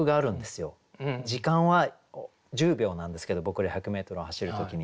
時間は１０秒なんですけど僕ら１００メートル走る時に。